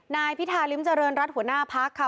นายพิธาริมเจริญรัฐหัวหน้าพักค่ะ